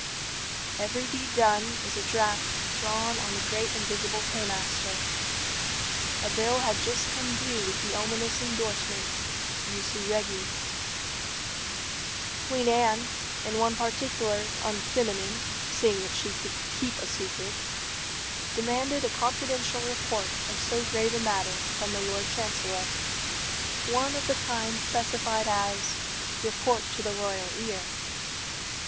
Every deed done is a draft drawn on the great invisible paymaster. A bill had just come due with the ominous endorsement, Jussu regis. Queen Anne, in one particular unfeminine, seeing that she could keep a secret, demanded a confidential report of so grave a matter from the Lord Chancellor one of the kind specified as "report to the royal ear."